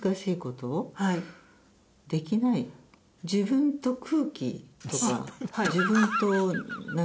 自分と空気ですか。